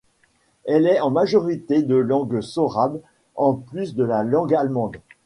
Elle est en majorité de langue sorabe en plus de la langue allemande.